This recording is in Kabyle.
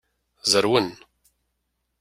Zerwen.